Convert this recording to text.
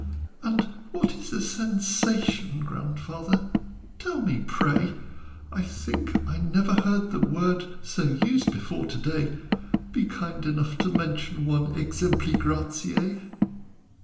"And what is a Sensation, Grandfather, tell me, pray? I think I never heard the word So used before to day: Be kind enough to mention one 'Exempli gratiâ.'"